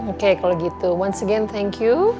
oke kalau gitu one again thank you